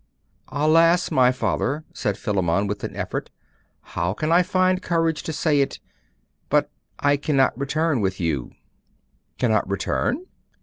'Alas! my father'' said Philammon, with an effort, 'how can I find courage to say it'? but I cannot return with you.' 'Cannot return?